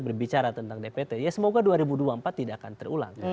berbicara tentang dpt ya semoga dua ribu dua puluh empat tidak akan terulang